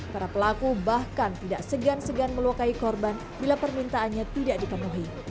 para pelaku bahkan tidak segan segan melukai korban bila permintaannya tidak dipenuhi